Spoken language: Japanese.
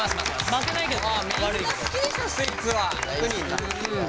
負けないけどね。